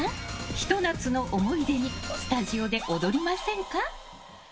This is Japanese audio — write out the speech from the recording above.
ひと夏の思い出にスタジオで踊りませんか？